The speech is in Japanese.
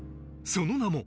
その名も。